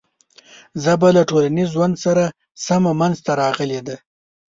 ژبه له ټولنیز ژوند سره سمه منځ ته راغلې ده.